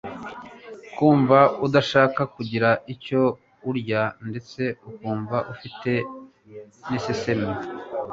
Kumva udashaka kugira icyo urya ndetse ukumva ufite n'isesemi